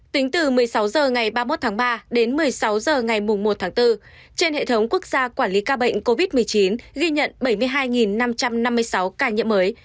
tính từ một mươi sáu h ngày ba mươi một tháng ba đến một mươi sáu h ngày một tháng bốn trên hệ thống quốc gia quản lý ca bệnh covid một mươi chín ghi nhận bảy mươi hai năm trăm năm mươi sáu ca nhiễm mới